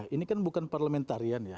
ini kan bukan parlementarian ya